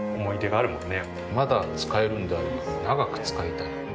まだ使えるんであれば長く使いたい。